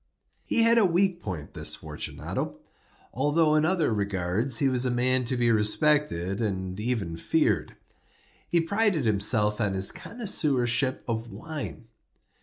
He had a weak point—this Fortunato—although in other regards he was a man to be respected and even feared. He prided himself on his connoisseurship in wine.